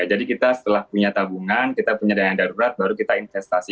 kita setelah punya tabungan kita punya dana darurat baru kita investasi